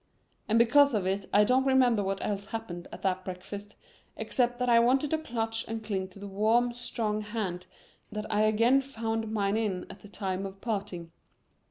And because of it I don't remember what else happened at that breakfast except that I wanted to clutch and cling to the warm, strong hand that I again found mine in at the time of parting.